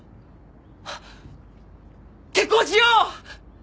結婚しよう！